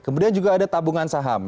kemudian juga ada tabungan saham